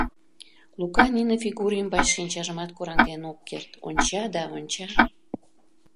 Лука нине фигур ӱмбач шинчажымат кораҥден ок керт, онча да онча.